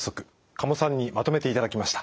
加茂さんにまとめていただきました。